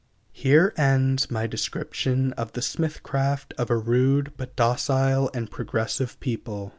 Here ends my description of the smithcraft of a rude but docile and progressive people.